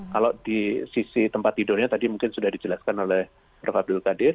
kalau di sisi tempat tidurnya tadi mungkin sudah dijelaskan oleh prof abdul qadir